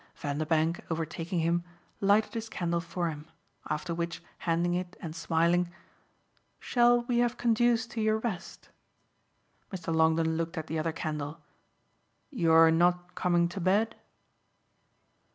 Vanderbank, overtaking him, lighted his candle for him; after which, handing it and smiling: "Shall we have conduced to your rest?" Mr. Longdon looked at the other candle. "You're not coming to bed?"